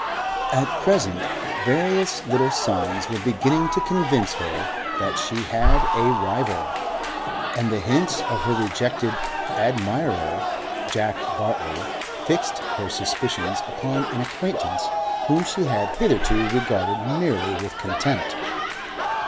At present, various little signs were beginning to convince her that she had a rival, and the hints of her rejected admirer, Jack Bartley, fixed her suspicions upon an acquaintance whom she had hitherto regarded merely with contempt.